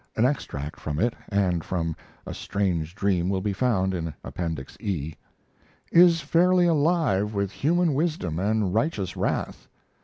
An extract from it, and from "A Strange Dream," will be found in Appendix E.] is fairly alive with human wisdom and righteous wrath.